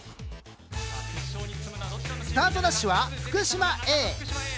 スタートダッシュは福島Ａ。